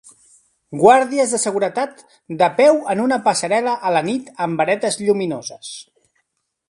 Guàrdies de seguretat de peu en una passarel·la a la nit amb varetes lluminoses.